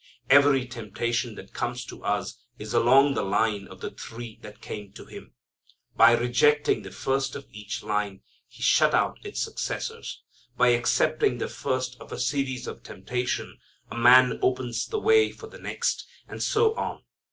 Every temptation that comes to us is along the line of the three that came to Him. By rejecting the first of each line He shut out its successors. By accepting the first of a series of temptations a man opens the way for the next, and so on.